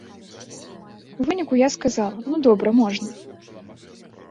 У выніку я сказала, ну добра, можна.